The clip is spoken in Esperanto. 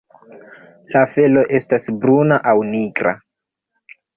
La felo estas bruna aŭ nigra.